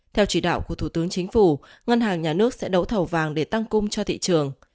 theo chỉ đạo của thủ tướng chính phủ ngân hàng nhà nước sẽ đấu thầu vàng để tăng cung cho thị trường